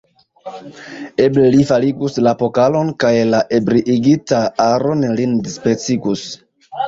Eble, li faligus la pokalon kaj la ebriigita aro lin dispecigus.